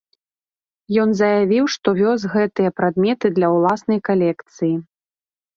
Ён заявіў, што вёз гэтыя прадметы для ўласнай калекцыі.